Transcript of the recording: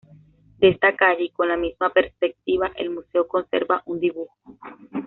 De esta calle, y con la misma perspectiva, el museo conserva un dibujo.